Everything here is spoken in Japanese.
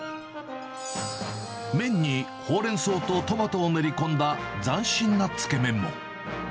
麺にホウレンソウとトマトを練り込んだ斬新なつけ麺も。